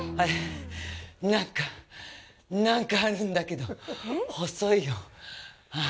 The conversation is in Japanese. なんか、なんかあるんだけど、細いよ。